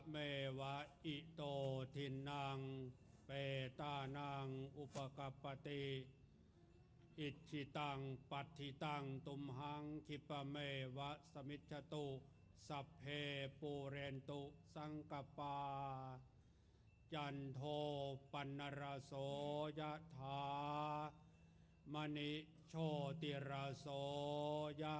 แม่วะอิโตธินางเปตานางอุปกปติอิทธิตังปัตธิตังตุมหังคิปเมวะสมิจตุสัพเพปูเรนตุสังกปาจันโทปัณราโสยธามณิโชติราโสยะ